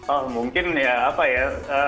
oh mungkin ya apa ya